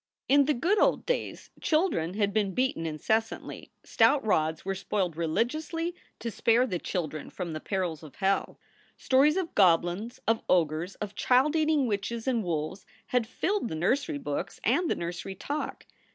In the good old days children had been beaten incessantly ; stout rods were spoiled religiously to spare the children from the perils of hell. Stories of goblins, of ogres, of child eating witches and wolves, had filled the nursery books and the nursery talk.